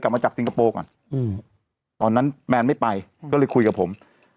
มาจากสิงคโปร์ก่อนตอนนั้นแมนไม่ไปก็เลยคุยกับผม